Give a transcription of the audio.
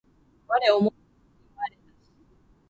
我思う故に我なし